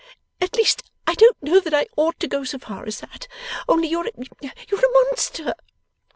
At least, I don't know that I ought to go so far as that only you're a you're a Monster!